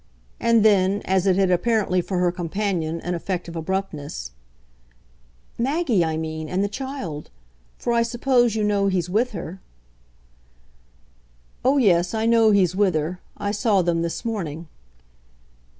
And then as it had apparently for her companion an effect of abruptness: "Maggie, I mean, and the child. For I suppose you know he's with her." "Oh yes, I know he's with her. I saw them this morning."